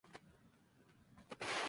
La F.m.